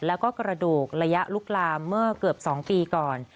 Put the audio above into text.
แล้วก็กระดูกระยะลุกลามเมื่อเกือบ๒ปีก่อน